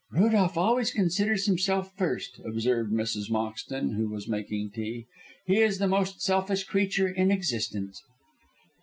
"Rudolph always considers himself first," observed Mrs. Moxton, who was making tea. "He is the most selfish creature in existence."